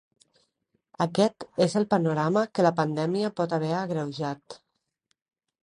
Aquest és el panorama que la pandèmia pot haver agreujat.